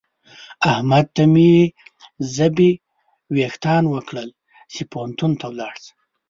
احمد ته مې ژبې وېښتان وکړل چې پوهنتون ته ولاړ شه.